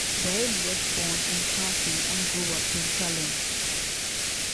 Reim was born in Tartu and grew up in Tallinn.